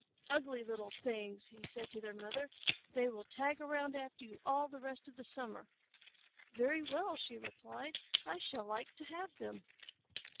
"Ugly little things!" he said to their mother. "They will tag around after you all the rest of the summer." "Very well," she replied. "I shall like to have them."